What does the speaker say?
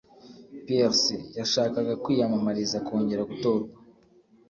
Pierce yashakaga kwiyamamariza kongera gutorwa.